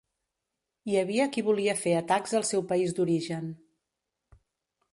Hi havia qui volia fer atacs al seu país d'origen.